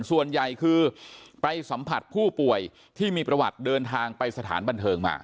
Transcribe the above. ส่วนใหญ่คือไปสัมผัสผู้ป่วยที่มีประวัติเดินทางไปสถานบันเทิงมา